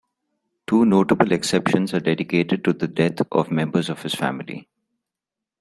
Two notable exceptions are dedicated to the death of members of his family.